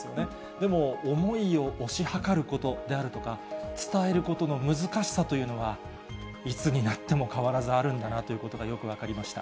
でも、思いを推し量ることであるとか、伝えることの難しさというのは、いつになっても変わらずあるんだなということがよく分かりました。